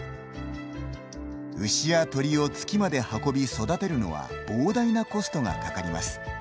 牛やトリを月まで運び育てるのは膨大なコストがかかります。